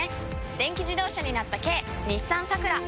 電気自動車になった軽日産サクラ！